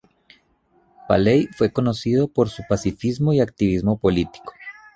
Paley fue conocida por su pacifismo y activismo político.